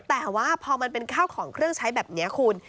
แต่ว่าพอมันเป็นข้าวของเครื่องใช้แบบนี้คุณ